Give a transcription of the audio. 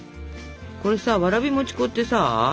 これさわらび餅粉ってさ